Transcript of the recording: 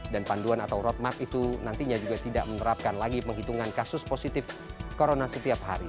dan panduan atau roadmap itu nantinya juga tidak menerapkan lagi penghitungan kasus positif corona setiap hari